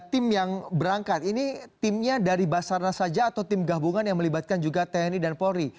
tim yang berangkat ini timnya dari basarnas saja atau tim gabungan yang melibatkan juga tni dan polri